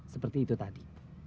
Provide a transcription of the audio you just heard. seperti itu tadi